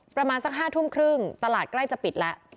ประมาณสัก๕ทุ่มครึ่งตลาดใกล้จะปิดแล้ว